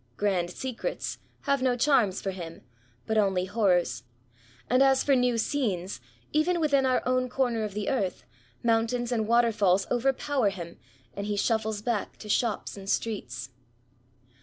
^^ Grand secrets'' have no charms for him, but only horrors ; and as for new scenes, even within our own comer of the earth, mountains and waterfalls overpower him, and he shuffles back to shops and streets.